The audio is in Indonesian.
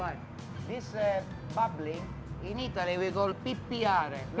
dalam bahasa italia kita sebut pipiare